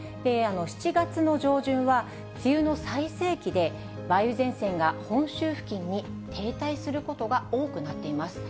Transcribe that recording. ７月の上旬は、梅雨の最盛期で、梅雨前線が本州付近に停滞することが多くなっています。